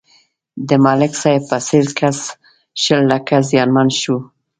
د ملک صاحب په څېر کس شل لکه زیانمن شو.